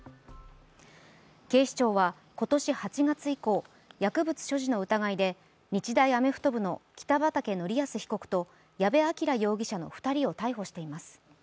警視庁は今年８月以降、薬物所持の疑いで日大アメフト部の北畠成文被告と矢部鑑羅容疑者の２人を逮捕しています。